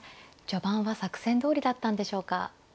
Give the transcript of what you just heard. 序盤は作戦どおりだったんでしょうか。